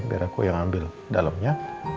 biar aku yang ambil dalamnya